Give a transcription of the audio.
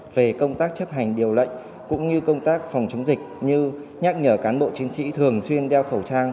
về công tác chấp hành điều lệnh cũng như công tác phòng chống dịch như nhắc nhở cán bộ chiến sĩ thường xuyên đeo khẩu trang